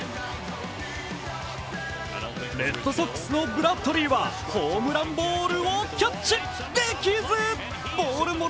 レッドソックスのブラッドリーはホームランボールをキャッチできずボール